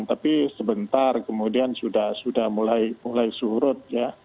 tapi sebentar kemudian sudah mulai surut ya